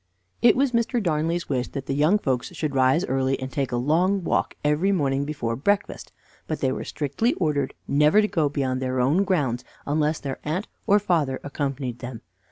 It was Mr. Darnley's wish that the young folks should rise early and take a long walk every morning before breakfast, but they were strictly ordered never to go beyond their own grounds unless their aunt or father accompanied them.